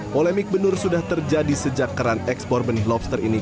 polemik benur sudah terjadi sejak keran ekspor benih lobster ini